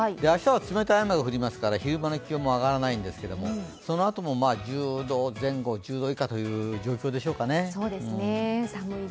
明日は冷たい雨が降りますから昼間の気温も上がらないんですけれども、そのあとも１０度前後、１０度以下という状況でしょうか。